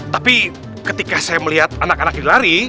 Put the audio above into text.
tapi ketika saya melihat anak anak ini lari